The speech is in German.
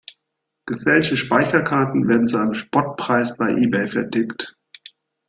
Gefälschte Speicherkarten werden zu einem Spottpreis bei Ebay vertickt.